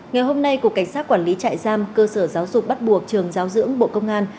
ngày hôm nay cục cảnh sát quản lý trại giam cơ sở giáo dục bắt buộc trường giáo dưỡng bộ công an